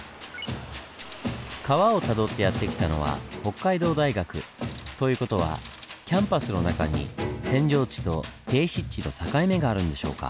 川をたどってやって来たのは北海道大学。という事はキャンパスの中に扇状地と低湿地の境目があるんでしょうか。